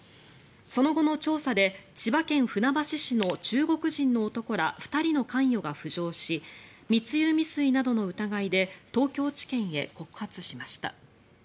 その後の調査で千葉県船橋市の中国人の男ら２人の関与が浮上し密輸未遂などの疑いで東京地検へ告発しました。